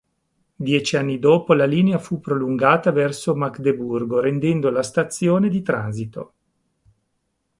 Dieci anni dopo la linea fu prolungata verso Magdeburgo, rendendo la stazione di transito.